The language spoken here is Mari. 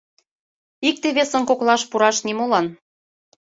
Икте-весын коклаш пураш нимолан.